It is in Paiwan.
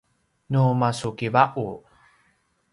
nu masukiva’u